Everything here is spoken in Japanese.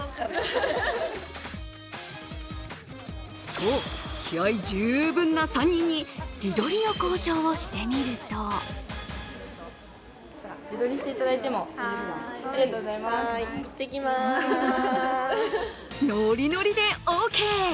と、気合い十分な３人に自撮りの交渉をしてみるとのりのりでオーケー。